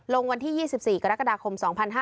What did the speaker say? วันที่๒๔กรกฎาคม๒๕๕๙